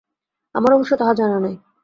আমার অবশ্য তাহা জানা নাই।